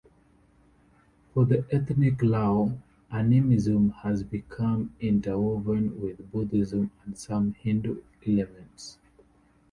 For the ethnic Lao, animism has become interwoven with Buddhism and some Hindu elements.